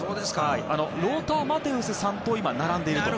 ローター・マテウスさんと並んでいると。